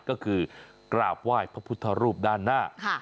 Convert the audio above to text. ก็คือกราบไหว้พระพุทธรูปด้านหน้า